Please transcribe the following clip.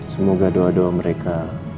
semoga doa doa mereka